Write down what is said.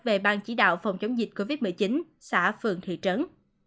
về bang chỉ đạo phòng chống dịch covid một mươi chín xã phường thị trấn